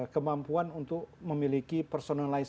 kemampuan untuk memiliki personalitas